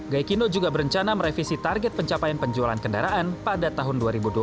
gaikindo juga berencana merevisi target pencapaian penjualan kendaraan pada tahun dua ribu dua puluh